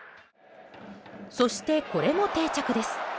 そして、これも定着です。